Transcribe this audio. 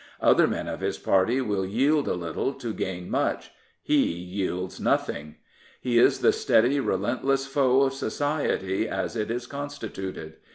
Other men of his party will yield a little to gain much. He yields nothing. He is the steady, relentless foe of society as it is constituted.